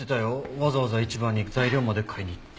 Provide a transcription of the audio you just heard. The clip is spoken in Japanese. わざわざ市場に材料まで買いに行って。